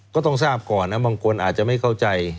ก็ต้องทราบก่อนนะบางคนอาจจะไม่เข้าใจ